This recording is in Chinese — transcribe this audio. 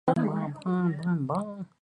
流寓会稽。